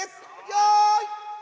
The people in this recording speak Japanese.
よい！